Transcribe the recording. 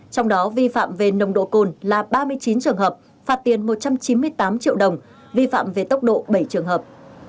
trong đó vi phạm về nồng độ cồn là ba mươi chín trường hợp phạt tiền một trăm chín mươi tám triệu đồng vi phạm về tốc độ bảy trường hợp